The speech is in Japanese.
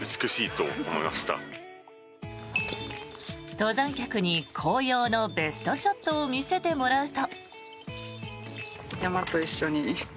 登山客に紅葉のベストショットを見せてもらうと。